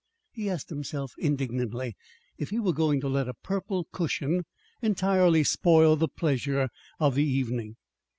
He asked himself indignantly if he were going to let a purple cushion entirely spoil the pleasure of the evening.